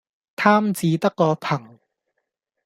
貪字得個貧